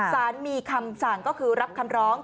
สารมีคำสั่งก็คือรับคำร้อง